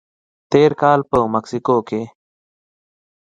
تېر کال په مسکو کې